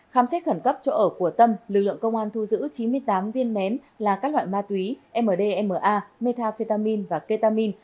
khám xét khẩn cấp chỗ ở của tâm lực lượng công an thu giữ chín mươi tám viên nén là các loại ma túy mdma metafetamin và ketamin